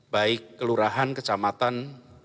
baik kelurahan kecamatan